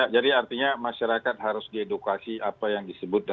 ya jadi artinya masyarakat harus diedukasi apa yang disebutnya